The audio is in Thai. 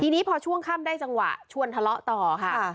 ทีนี้พอช่วงค่ำได้จังหวะชวนทะเลาะต่อค่ะ